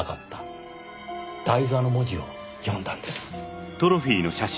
台座の文字を読んだんです。